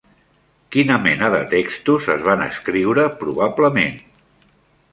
Quina mena de textos es van escriure probablement?